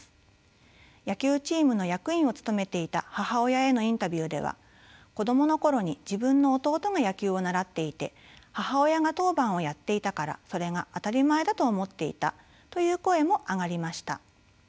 野球チームの役員を務めていた母親へのインタビューでは「子どもの頃に自分の弟が野球を習っていて母親が当番をやっていたからそれが当たり前だと思っていた」という声も上がりました。